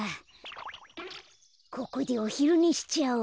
ここでおひるねしちゃおう。